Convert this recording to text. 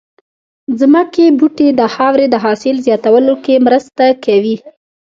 ځمکې بوټي د خاورې د حاصل زياتولو کې مرسته کوي